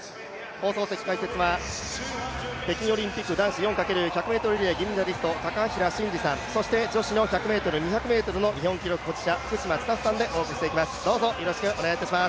放送席解説は北京オリンピック男子４×１００ｍリレー銀メダリスト高平慎士さん、そして女子の１００ｍ、２００ｍの日本記録保持者、福島千里さんでお送りしていきます。